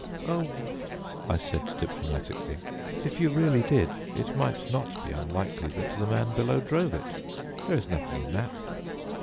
"Oh," I said diplomatically, "if you really did, it might not be unlikely that the man below drove it. There is nothing in that."